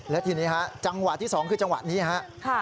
และทีนี้ฮะจังหวะที่๒คือจังหวะนี้ครับ